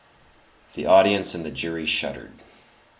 The audience and the jury "shuddered."